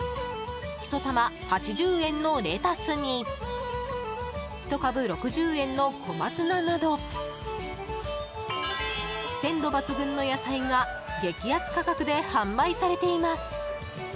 １玉８０円のレタスに１株６０円の小松菜など鮮度抜群の野菜が激安価格で販売されています。